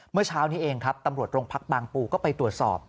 เมื่อเช้านี้เองครับตำรวจโรงพักบางปูก็ไปตรวจสอบ